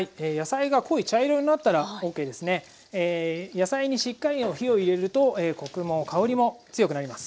野菜にしっかり火を入れるとコクも香りも強くなります。